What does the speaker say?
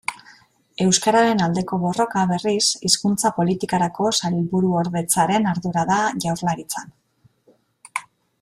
Euskararen aldeko borroka, berriz, Hizkuntza Politikarako Sailburuordetzaren ardura da Jaurlaritzan.